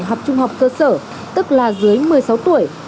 học trung học cơ sở tức là dưới một mươi sáu tuổi